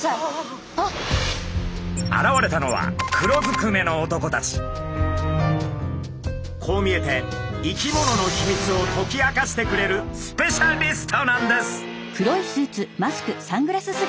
現れたのはこう見えて生き物のヒミツを解き明かしてくれるスペシャリストなんです。